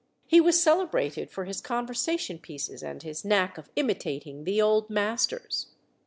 He was celebrated for his conversation pieces and his knack of imitating the old masters.